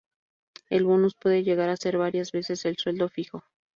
El bonus puede llegar a ser varias veces el sueldo fijo.